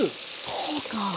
そうか！